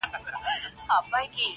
• محتسب مو پر منبر باندي امام سو -